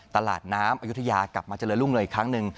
ตลาดน้ำอายุทยากลับมาเจริญรุ่งเรืออีกครั้งหนึ่ง